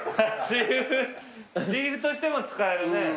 チーフとしても使えるね。